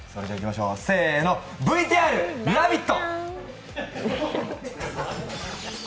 せーの、ＶＴＲ「ラヴィット！」